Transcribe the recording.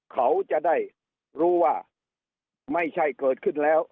เขาจะได้รู้ว่าไม่ใช่เกิดขึ้นแล้ว